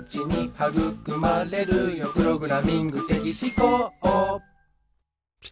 「はぐくまれるよプロミング的思考」